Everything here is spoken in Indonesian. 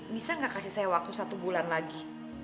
bisa nggak kasih saya waktu satu bulan lagi